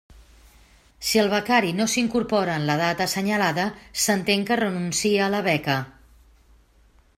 Si el becari no s'incorpora en la data assenyalada, s'entén que renuncia a la beca.